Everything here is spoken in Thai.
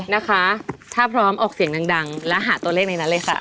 นะคะถ้าพร้อมออกเสียงดังและหาตัวเลขในนั้นเลยค่ะ